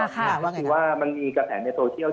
ก็คือว่ามันมีกระแสในโซเชียล